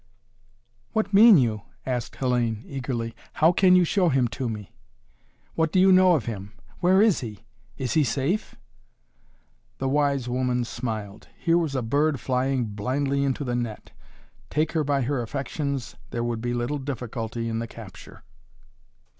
"What mean you?" asked Hellayne eagerly. "How can you show him to me? What do you know of him? Where is he? Is he safe?" The wise woman smiled. Here was a bird flying blindly into the net. Take her by her affections, there would be little difficulty in the capture.